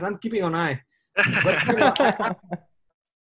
saya tetap menarik mata